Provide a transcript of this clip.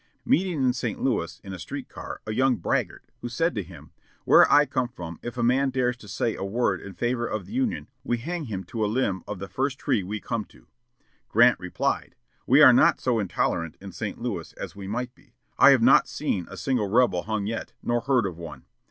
Meeting in St. Louis, in a street car, a young braggart, who said to him, "Where I came from, if a man dares to say a word in favor of the Union we hang him to a limb of the first tree we come to," Grant replied, "We are not so intolerant in St. Louis as we might be. I have not seen a single rebel hung yet, nor heard of one.